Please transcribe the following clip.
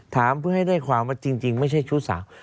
ถามเพื่อให้ได้ความว่าจริงไม่ใช่ชู้สาว